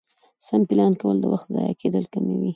سم پلان کول د وخت ضایع کېدل کموي